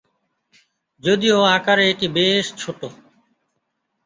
যদিও আকারে এটি বেশ ছোট।